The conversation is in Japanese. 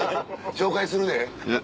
紹介するで。